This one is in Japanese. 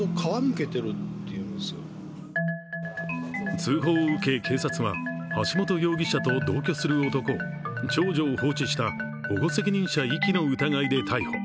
通報を受け警察は、橋本容疑者と同居する男を、長女を放置した保護責任者遺棄の疑いで逮捕。